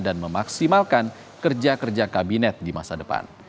dan memaksimalkan kerja kerja kabinet di masa depan